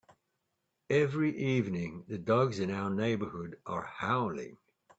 Every evening, the dogs in our neighbourhood are howling.